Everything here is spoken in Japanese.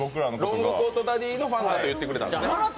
ロングコートダディのファンだと言ってくれたんですね。